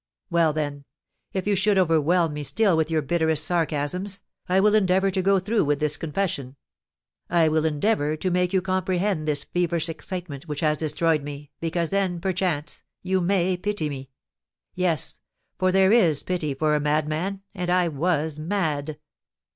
Well, then, even if you should overwhelm me still with your bitterest sarcasms, I will endeavour to go through with this confession, I will endeavour to make you comprehend this feverish excitement which has destroyed me, because then, perchance, you may pity me, yes, for there is pity for a madman, and I was mad!